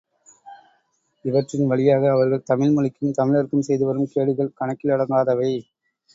இவற்றின் வழியாக அவர்கள் தமிழ் மொழிக்கும் தமிழர்க்கும் செய்துவரும் கேடுகள் கணக்கிலடங்காதவை.